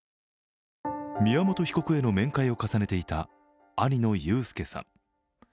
宮本被告への面会を重ねていた兄の雄介さん。